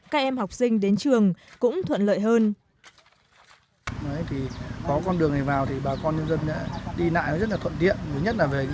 các em học sinh đến trường cũng thuận lợi hơn